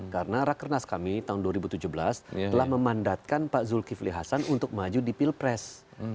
karena rak kernas kami tahun dua ribu tujuh belas telah memandatkan pak zulkifli hasan untuk maju di pilpres dua ribu sembilan belas